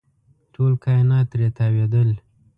ټول کاینات ترې تاوېدل.